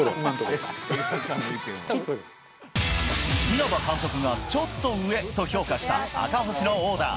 稲葉監督がちょっと上と評価した赤星のオーダー。